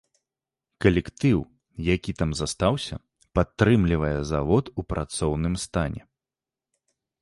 Калектыў, які там застаўся, падтрымлівае завод у працоўным стане.